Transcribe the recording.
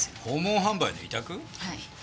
はい。